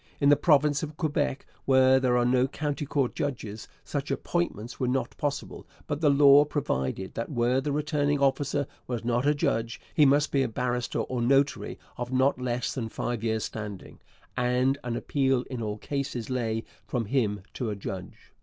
In the province of Quebec, where there are no county court judges, such appointments were not possible; but the law provided that where the returning officer was not a judge, he must be a barrister or notary of not less than five years' standing, and an appeal in all cases lay from him to a judge.